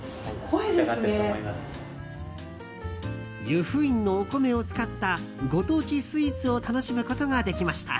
由布院のお米を使ったご当地スイーツを楽しむことができました。